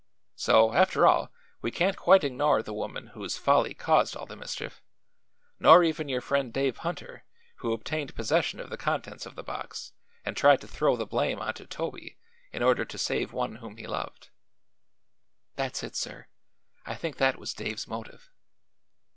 So, after all, we can't quite ignore the woman whose folly caused all the mischief; nor even your friend Dave Hunter, who obtained possession of the contents of the box and tried to throw the blame onto Toby in order to save one whom he loved." "That's it, sir. I think that was Dave's motive."